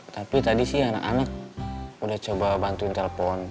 tapi tadi sih anak anak udah coba bantuin telpon